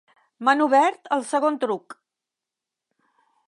M'han obert al segon truc.